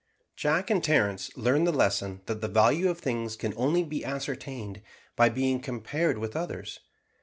Jack and Terence learned the lesson, that the value of things can only be ascertained by being compared with others.